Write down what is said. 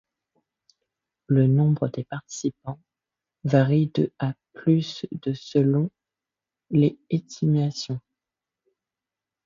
Le nombre des participants varie de à plus de selon les estimations.